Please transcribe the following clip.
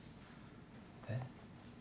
えっ？